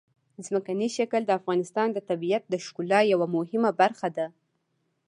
ځمکنی شکل د افغانستان د طبیعت د ښکلا یوه مهمه برخه ده.